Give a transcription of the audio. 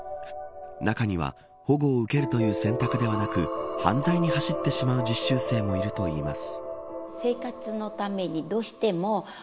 中には保護を受けるという選択ではなく犯罪に走ってしまう実習生もいるといいます。